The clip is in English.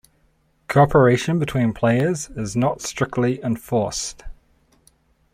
Cooperation between players is not strictly enforced.